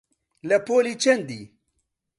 لە پۆلی چەندی؟